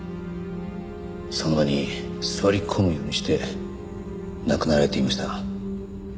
その場に座り込むようにして亡くなられていました。